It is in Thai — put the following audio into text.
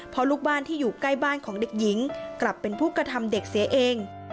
เพราะลูกบ้านที่อยู่ใกล้บ้านของเด็กหญิงกลับเป็นผู้กระทำเด็กเสียเอง